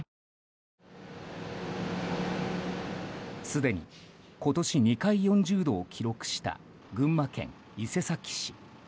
すでに今年２回４０度を記録した群馬県伊勢崎市。